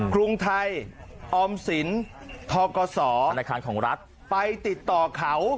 กรุงไทยออมสินทกศธนาคารของรัฐไปติดต่อเขา